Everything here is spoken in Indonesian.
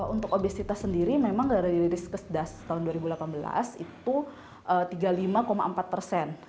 untuk obesitas sendiri memang dari dirilis kesedas tahun dua ribu delapan belas itu tiga puluh lima empat persen